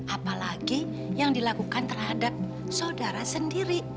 apalagi yang dilakukan terhadap saudara sendiri